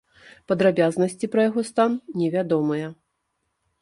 Падрабязнасці пра яго стан не вядомыя.